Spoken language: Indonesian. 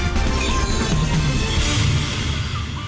kameranya gerak banget